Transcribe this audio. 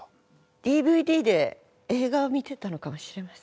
ＤＶＤで映画を見ていたのかもしれません。